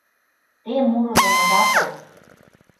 Те мурыжым ода кол...